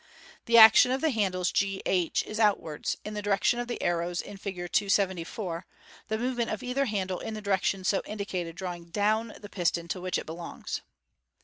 The action of the handles g h is outwards, in the direction of the arrows in Fig. 274, the movement of either handle in the direction so indicated drawing down the piston to which it belongs.